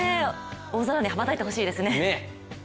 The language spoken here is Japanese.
大空に羽ばたいてほしいですね。